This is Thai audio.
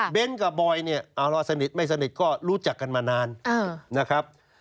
กับบอยเนี่ยเอาล่ะสนิทไม่สนิทก็รู้จักกันมานานนะครับ